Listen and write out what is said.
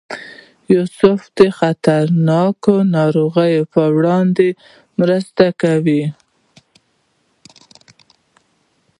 یونیسف د خطرناکو ناروغیو په وړاندې مرسته کوي.